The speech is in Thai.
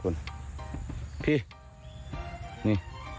นี่